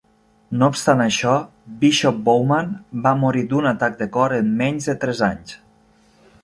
No obstant això, Bishop Bowman va morir d'un atac de cor en menys de tres anys.